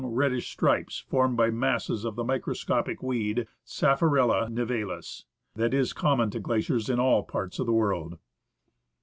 reddish stripes formed by masses of the microscopic weed {Sphcerella nivalis) ^ that is common to glaciers in all parts of the world.